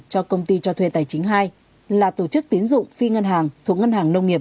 cho công ty cho thuê tài chính hai là tổ chức tiến dụng phi ngân hàng thuộc ngân hàng nông nghiệp